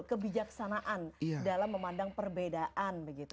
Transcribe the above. kebijaksanaan dalam memandang perbedaan